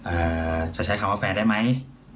จะใช้คำว่าแฟนได้ไหม